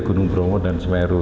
gunung bromo dan semeru